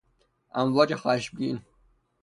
امواج خشمگین